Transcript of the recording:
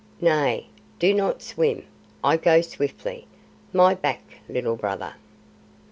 "Nay, do not swim. I go swiftly. My back, Little Brother."